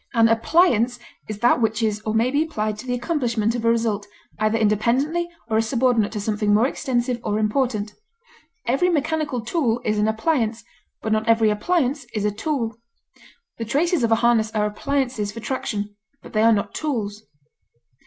An appliance is that which is or may be applied to the accomplishment of a result, either independently or as subordinate to something more extensive or important; every mechanical tool is an appliance, but not every appliance is a tool; the traces of a harness are appliances for traction, but they are not tools.